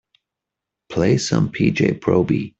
Play some P. J. Proby